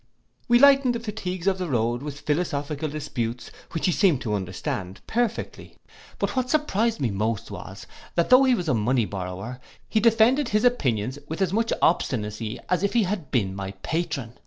We lightened the fatigues of the road with philosophical disputes, which he seemed to understand perfectly. But what surprised me most was, that though he was a money borrower, he defended his opinions with as much obstinacy as if he had been my patron.